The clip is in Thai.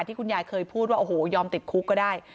คุณยายเคยพูดว่าโอ้โหยอมติดคุกก็ได้